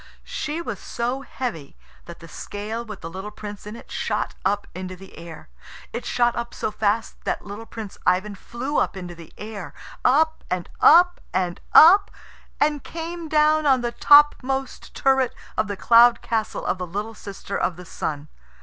She was so heavy that the scale with the little Prince in it shot up into the air. It shot up so fast that little Prince Ivan flew up into the sky, up and up and up, and came down on the topmost turret of the cloud castle of the little sister of the Sun.